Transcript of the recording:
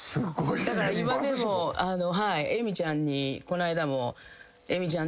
だから今でも恵美ちゃんにこの間も恵美ちゃん